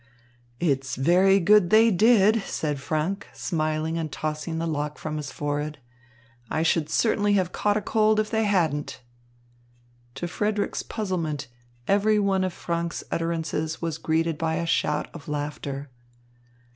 "It's very good they did," said Franck, smiling and tossing the lock from his forehead. "I should certainly have caught a cold if they hadn't." To Frederick's puzzlement, every one of Franck's utterances was greeted by a shout of laughter.